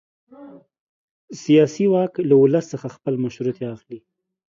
سیاسي واک له ولس څخه خپل مشروعیت اخلي.